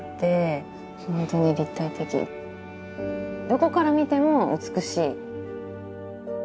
どこから見ても美しい。